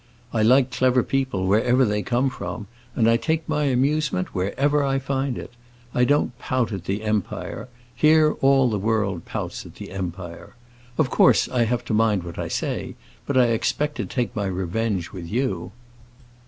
I like clever people, wherever they come from, and I take my amusement wherever I find it. I don't pout at the Empire; here all the world pouts at the Empire. Of course I have to mind what I say; but I expect to take my revenge with you."